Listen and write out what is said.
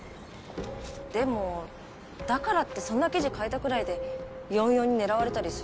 でもだからってそんな記事書いたくらいで４４に狙われたりする？